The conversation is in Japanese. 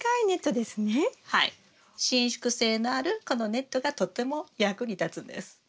伸縮性のあるこのネットがとても役に立つんです。